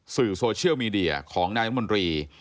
สื่อโซเชียลมีเดียของนายรัฐมนตรี